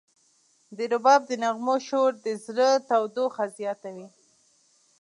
د رباب د نغمو شور د زړه تودوخه زیاتوي.